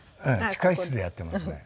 地下室でやってますね。